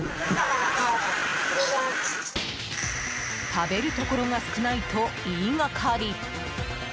食べるところが少ないと言いがかり。